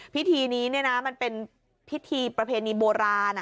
พิธีนี้เนี่ยนะมันเป็นพิธีประเภนนิบโบราณ